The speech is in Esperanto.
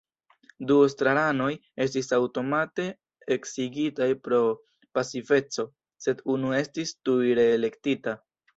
Du estraranoj estis aŭtomate eksigitaj pro pasiveco, sed unu estis tuj reelektita.